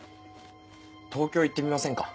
東京行ってみませんか？